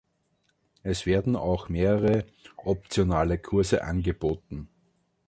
Es werden auch mehrere optionale Kurse angeboten.